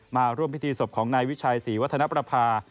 มาร่วมพิธีศพของนายวิชัยศรีวัฒนประภา